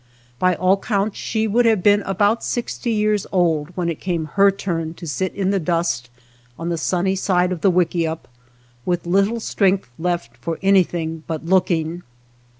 By all counts she would have been about sixty years old when it came her turn to sit in the dust on the sunny side of the wickiup, with little strength left for any thing but looking.